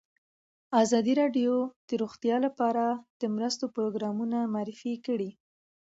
ازادي راډیو د روغتیا لپاره د مرستو پروګرامونه معرفي کړي.